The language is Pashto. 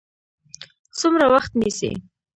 څومره وخت نیسي؟